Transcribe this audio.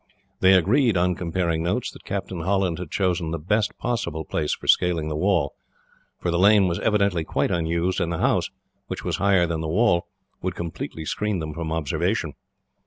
They agreed, on comparing notes, that Captain Holland had chosen the best possible place for scaling the wall, for the lane was evidently quite unused, and the house, which was higher than the wall, would completely screen them from observation.